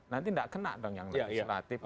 nanti tidak kena dong yang legislatif